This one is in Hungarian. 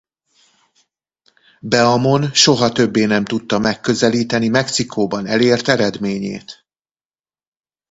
Beamon soha többé nem tudta megközelíteni Mexikóban elért eredményét.